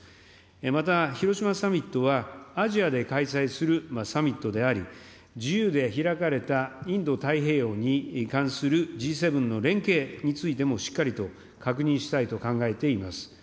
また広島サミットは、アジアで開催するサミットであり、自由で開かれたインド太平洋に関するＧ７の連携についてもしっかりと確認したいと考えています。